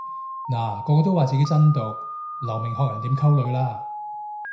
嗱個個都話自己真毒留名學人點溝女啦